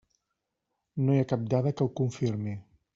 No hi ha cap dada que ho confirmi.